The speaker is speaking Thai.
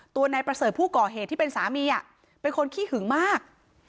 นายประเสริฐผู้ก่อเหตุที่เป็นสามีเป็นคนขี้หึงมาก